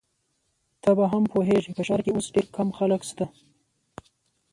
ته به هم پوهیږې، په ښار کي اوس ډېر کم خلک شته.